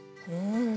うん。